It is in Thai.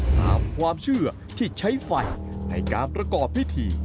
ตามความเชื่อที่ใช้ไฟในการประกอบพิธี